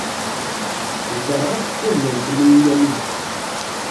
Bedreɣ-as-d tadyant-nni i Yamina.